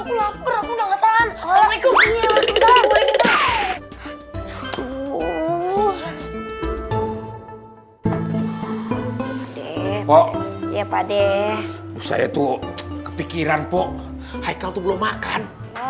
aku lapar aku nggak tahan alaikum ya tuhan ya pak deh saya tuh kepikiran pokok itu belum makan